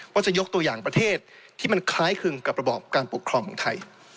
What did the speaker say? ว่าจะยกตัวอย่างประเทศที่มันคล้ายคลึงกับระบอบการปกครองของไทย